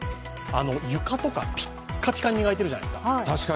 床とかピッカピカに磨いてるじゃないですか。